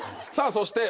そして。